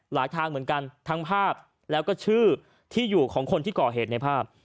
ทางเหมือนกันทั้งภาพแล้วก็ชื่อที่อยู่ของคนที่ก่อเหตุในภาพ